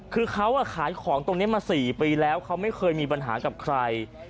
คือเขาขายของตรงนี้มา๔ปีแล้วเขาไม่เคยมีปัญหากับใคร